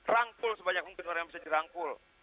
rangkul sebanyak mungkin orang yang bisa dirangkul